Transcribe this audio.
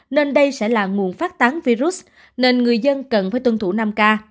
nên đây sẽ là nguồn phát tán virus nên người dân cần phải tuân thủ năm k